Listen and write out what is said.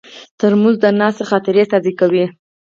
ترموز د ناستې خاطرې تازه کوي.